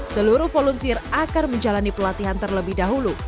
seluruh volunteer akan menjalani pelatihan terlebih dahulu